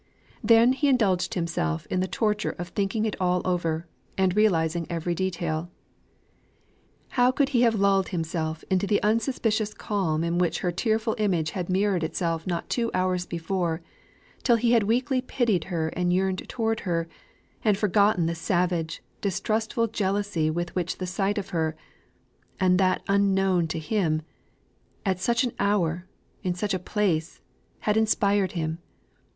Then he indulged himself in the torture of thinking it all over, and realising every detail. How could he have lulled himself into the unsuspicious calm in which her tearful image had mirrored itself not two hours before, till he had weakly pitied her and yearned towards her, and forgotten the savage, distrustful jealousy with which the sight of her and that unknown to him at such an hour in such a place had inspired him!